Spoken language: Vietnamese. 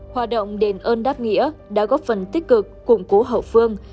hoạt động đền ơn đáp nghĩa đã góp phần tích cực củng cố hậu phương